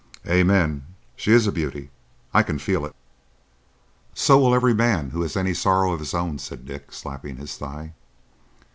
"Amen! She is a beauty. I can feel it." "So will every man who has any sorrow of his own," said Dick, slapping his thigh.